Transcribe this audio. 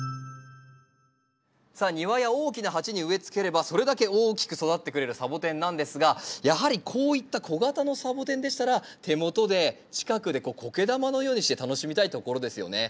さあ庭や大きな鉢に植えつければそれだけ大きく育ってくれるサボテンなんですがやはりこういった小型のサボテンでしたら手元で近くでこうコケ玉のようにして楽しみたいところですよね。